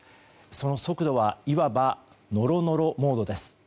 その速度はいわば、のろのろモードです。